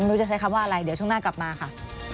ไม่รู้จะใช้คำว่าอะไรเดี๋ยวช่วงหน้ากลับมาค่ะ